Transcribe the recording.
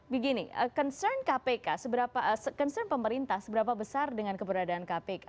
begini concern kpk seberapa concern pemerintah seberapa besar dengan keberadaan kpk